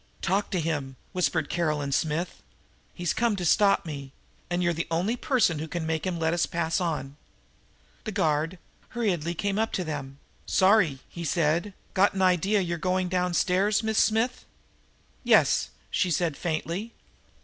"Talk to him," whispered Caroline Smith. "He's come to stop me, and you're the only person who can make him let me pass on!" The guard hurriedly came up to them. "Sorry," he said. "Got an idea you're going downstairs, Miss Smith." "Yes," she said faintly.